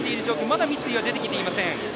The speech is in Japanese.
まだ三井は出てきていません。